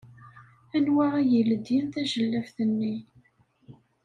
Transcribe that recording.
Anwa ay iledyen tajellabt-nni?